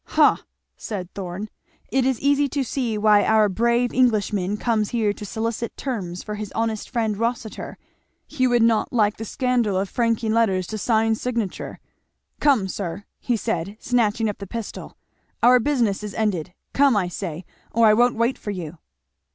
"Ha!" said Thorn, "it is easy to see why our brave Englishman comes here to solicit 'terms' for his honest friend Rossitur he would not like the scandal of franking letters to Sing Sing. Come, sir," he said snatching up the pistol, "our business is ended come, I say! or I won't wait for you."